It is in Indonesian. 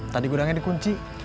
tadi gudangnya dikunci